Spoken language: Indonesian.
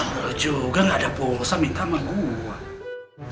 ya lo juga gak ada pulsa minta sama gue